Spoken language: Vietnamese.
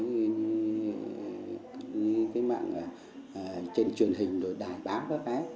những cái mạng trên truyền hình đổi đài báo đó đấy